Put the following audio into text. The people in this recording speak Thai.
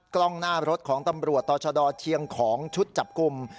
กล้องหน้ารถของตำรวจต่อชะดอเชียงของชุดจับกลุ่ม